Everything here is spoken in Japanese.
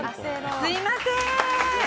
すいません。